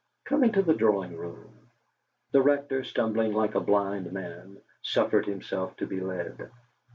Come into the drawing room!" The Rector, stumbling like a blind man, suffered himself to be led.